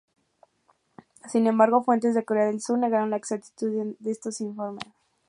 Sin embargo, fuentes de Corea del Sur negaron la exactitud de estos informes.